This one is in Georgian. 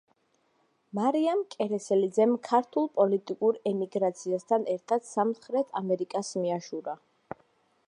მარიამ კერესელიძემ ქართულ პოლიტიკურ ემიგრაციასთან ერთად, სამხრეთ ამერიკას მიაშურა.